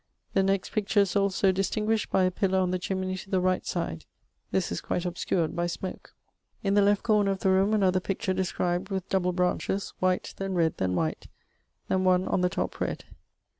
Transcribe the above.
The next picture is also distinguished by a pillar on the chimney to the right side: this quite obscured by smoake. In the left corner of the roome another picture described, with double branches, white, then red, then white, then one on the top red.